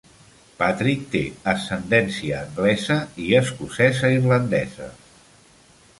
Patrick té ascendència anglesa i escocesa-irlandesa.